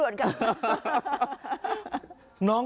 มีพวกมนุฬ